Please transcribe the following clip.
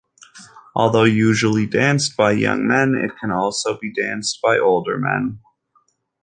Although usually danced by young men, it can be also danced by older men.